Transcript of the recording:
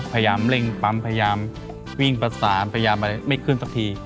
พยายามเร่งปั๊มพยายามวิ่งประสานพยายามอะไรไม่ขึ้นสักที